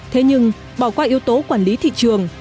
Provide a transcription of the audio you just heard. thế nhưng bỏ qua yếu tố quản lý thị trường